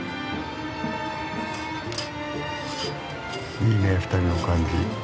いいねえ２人の感じ